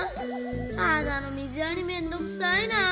はなのみずやりめんどくさいな。